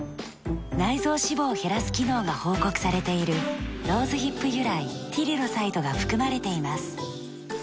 内臓脂肪を減らす機能が報告されているローズヒップ由来ティリロサイドが含まれています。